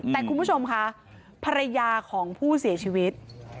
แต่คุณผู้ชมค่ะภรรยาของผู้เสียชีวิต